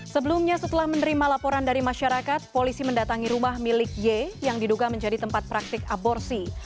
sebelumnya setelah menerima laporan dari masyarakat polisi mendatangi rumah milik y yang diduga menjadi tempat praktik aborsi